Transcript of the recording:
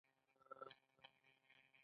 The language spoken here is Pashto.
د بلخ نوبهار د نړۍ تر ټولو لوی بودايي معبد و